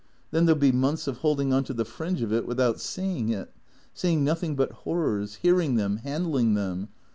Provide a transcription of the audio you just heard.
Then there '11 be months of holding on to the fringe of it without seeing it — see ing nothing but horrors, hearing them, handling them.